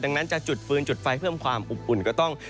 ดังนั้นจะจุดฟื้นจุดไฟเพิ่มความอบอุ่นก็ต้อง